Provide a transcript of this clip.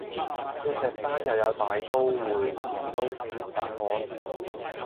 鑽石山又有大刀會持刀情殺案？